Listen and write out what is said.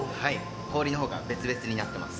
氷のほうが別々になってます。